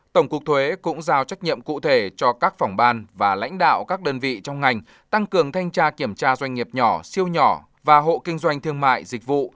tổng cục thuế cũng giao trách nhiệm cụ thể cho các phòng ban và lãnh đạo các đơn vị trong ngành tăng cường thanh tra kiểm tra doanh nghiệp nhỏ siêu nhỏ và hộ kinh doanh thương mại dịch vụ